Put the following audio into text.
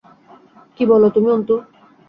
কী বল তুমি অন্তু!